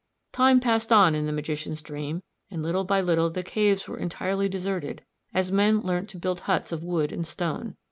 Time passed on in the magician's dream, and little by little the caves were entirely deserted as men learnt to build huts of wood and stone.